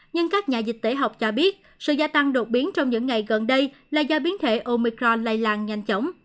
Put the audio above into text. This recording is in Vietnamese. nhưng các nhà dịch tễ học cho biết sự gia tăng đột biến trong những ngày gần đây là do biến thể omicron lây lan nhanh chóng